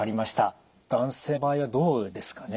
男性の場合はどうですかね？